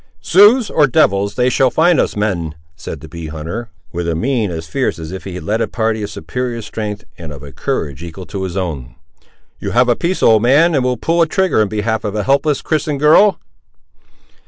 "Siouxes or devils, they shall find us men!" said the bee hunter, with a mien as fierce as if he led a party of superior strength, and of a courage equal to his own.—"You have a piece, old man, and will pull a trigger in behalf of a helpless, Christian girl!"